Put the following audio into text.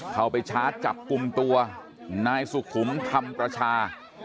ไปชาร์จจับกลุ่มตัวนายสุขุมธรรมประชา